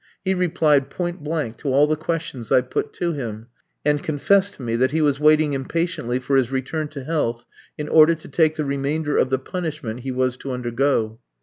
He replied point blank to all the questions I put to him, and confessed to me that he was waiting impatiently for his return to health in order to take the remainder of the punishment he was to undergo.